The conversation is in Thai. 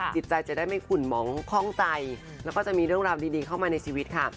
จิตใจจะได้ไม่ขุนหมองคล่องใจแล้วก็จะมีเรื่องราวดีเข้ามาในชีวิตค่ะ